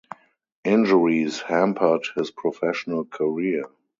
Injuries hampered his professional career.